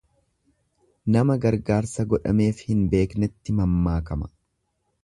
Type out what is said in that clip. Nama gargaarsa godhameef hin beeknetti mammaakama.